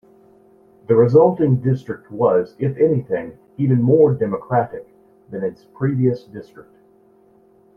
The resulting district was, if anything, even more Democratic than his previous district.